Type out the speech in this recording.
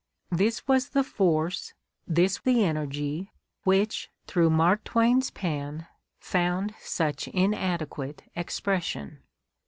—. This was the force, this the energy which, through Mark Twain's pen, found such inadequate expression.